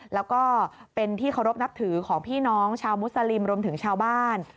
แล้วก็เป็นที่เคารพนับถือของพี่น้องชาวมุสลิมรวมถึงชาวบ้าน